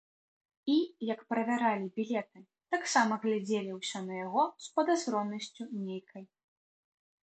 І, як правяралі білеты, таксама глядзелі ўсе на яго з падазронасцю нейкай.